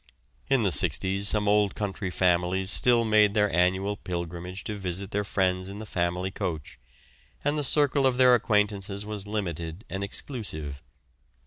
In the 'sixties some old county families still made their annual pilgrimage to visit their friends in the family coach, and the circle of their acquaintances was limited and exclusive.